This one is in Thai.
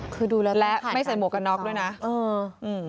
คือดูแล้วและไม่ใส่หมวกกันน็อกด้วยนะเอออืม